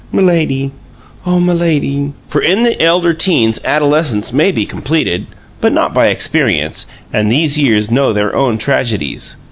"Milady! Oh, Milady!" For in the elder teens adolescence may be completed, but not by experience, and these years know their own tragedies.